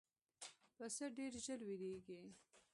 پسه ډېر ژر وېرېږي.